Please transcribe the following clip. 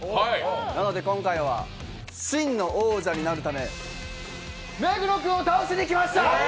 なので今回は真の王者になるため目黒君を倒しにきました！